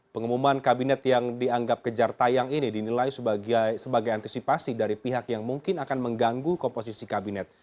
pengumuman kabinet yang dianggap kejar tayang ini dinilai sebagai antisipasi dari pihak yang mungkin akan mengganggu komposisi kabinet